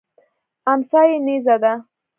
امسا یې نیزه ده.